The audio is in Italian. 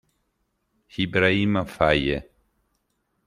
Ibrahima Faye